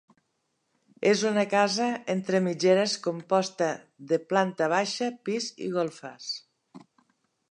És una casa entre mitgeres composta de planta baixa, pis i golfes.